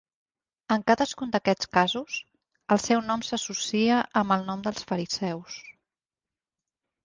En cadascun d"aquests casos, el seu nom s"associa amb el nom dels fariseus.